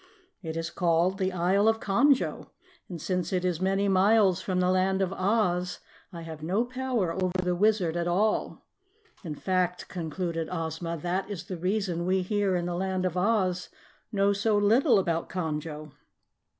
"It is called the Isle of Conjo, and since it is many miles from the Land of Oz, I have no power over the Wizard at all. In fact," concluded Ozma, "that is the reason we here in the Land of Oz know so little about Conjo."